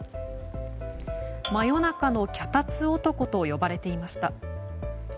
真夜中の脚立男と呼ばれていました。